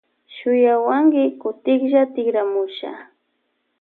Shuyawanki kutsilla tikramusha.